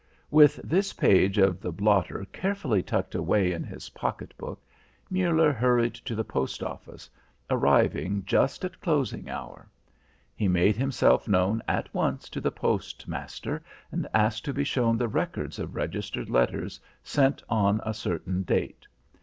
With this page of the blotter carefully tucked away in his pocketbook, Muller hurried to the post office, arriving just at closing hour. He made himself known at once to the postmaster, and asked to be shown the records of registered letters sent on a certain date.